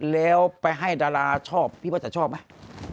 แล้วไปให้ดาราชอบพี่ว่าจะชอบไหม